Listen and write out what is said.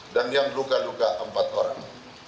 dan yang luka luka empat orang